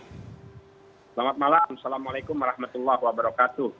selamat malam assalamualaikum warahmatullahi wabarakatuh